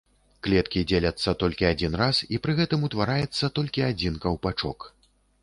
Клеткі дзеляцца толькі адзін раз, і пры гэтым утвараецца толькі адзін каўпачок.